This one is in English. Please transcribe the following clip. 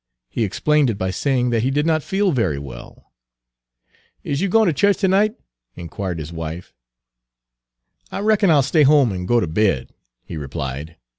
He explained it by saying that he did not feel very well. "Is you gwine ter chu'ch ter night?" inquired his wife. "I reckon I'll stay home an' go ter bed," he replied.